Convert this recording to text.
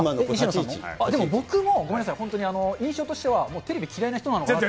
でも僕も、ごめんなさい、本当に印象としてはテレビ嫌いな人なのかなって。